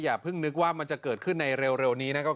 อย่าเพิ่งนึกว่ามันจะเกิดขึ้นในเร็วนี้นะครับ